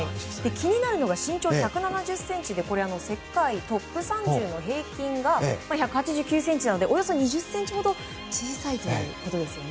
気になるのが身長１７０ｃｍで世界トップ３０の平均が１８９ｃｍなのでおよそ２０ｃｍほど小さいということですよね。